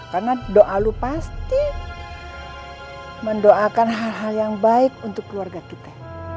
karena doa lo pasti mendoakan hal hal yang baik untuk keluarga kita